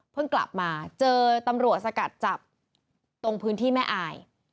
กลับมาเจอตำรวจสกัดจับตรงพื้นที่แม่อาย